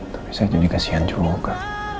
tapi saya jadi kesian juga